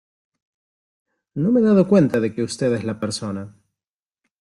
no me he dado cuenta de que usted es la persona